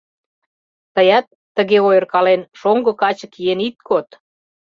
Тыят, тыге ойыркален, шоҥго каче киен ит код!